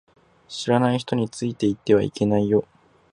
知らない人についていってはいけないよ